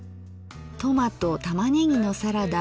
「トマト玉ねぎのサラダ」